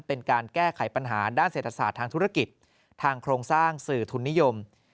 เป็นการแก้ไขปัญหาด้านเศรษฐศาสตร์ทางธุรกิจทางโครงสร้างสื่อทุนนิยม